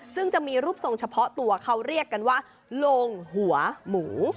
ซึ่งจะมีรูปทรงเฉพาะตัวเขาเรียกกันว่าโลงหัวหมู